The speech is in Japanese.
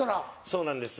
そうなんです。